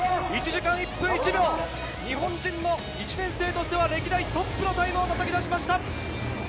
１時間１分１秒、日本人の１年生としては歴代トップのタイムをたたき出しました。